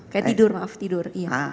kayak tidur maaf tidur